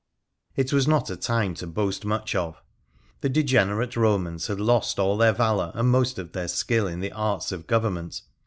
It was not a time to boast much of. The degenerate Romans had lost all their valour and most of their skill in the arts of government.